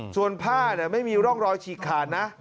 ส่วนผ้าไม่มีร่องรอยฉีกขาดนะ